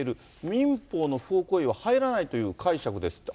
民法の不法行為は入らないという解釈ですって。